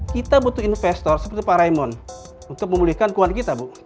kita butuh investor seperti pak raimon untuk memulihkan keuangan kita bu